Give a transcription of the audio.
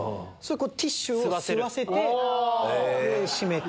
ティッシュを吸わせて上閉めて。